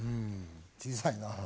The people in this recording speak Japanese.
小さいな。